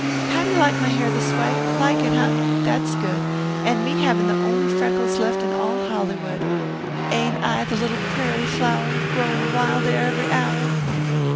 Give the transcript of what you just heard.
How'd you like my hair this way? Like it, eh? That's good. And me having the only freckles left in all Hollywood. Ain't I the little prairie flower, growing wilder every hour?